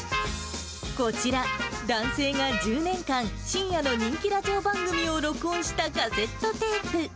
こちら、男性が１０年間、慎弥の人気ラジオ番組を録音したカセットテープ。